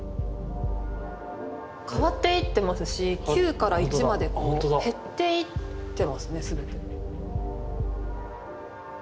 変わっていってますし９から１までこう減っていってますね全て。